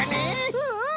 うんうん！